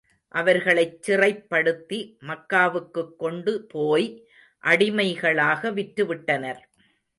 அவர்களைச் சிறைப்படுத்தி மக்காவுக்குக் கொண்டு போய் அடிமைகளாக விற்றுவிட்டனர்.